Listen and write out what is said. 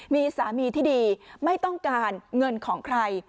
มีสามีที่ดีไม่ต้องการเงินของใคร